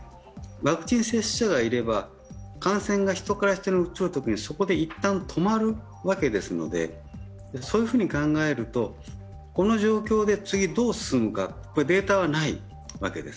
ワクチン接種者がいれば、感染が人から人にうつるときにそこで一旦止まるわけですので、そういうふうに考えると、この状況で次どう進むか、データはないわけです。